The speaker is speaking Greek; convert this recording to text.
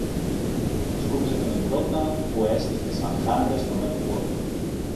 σκούπισε τον ιδρώτα που έστεκε σα χάντρες στο μέτωπο του.